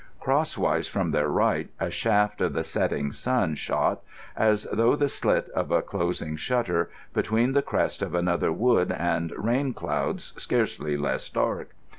Crosswise from their right a shaft of the setting sun shot, as through the slit of a closing shutter, between the crest of another wood and rain clouds scarcely less dark.